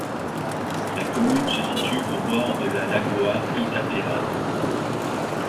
La commune se situe au bord de la Lagoa Itapeva.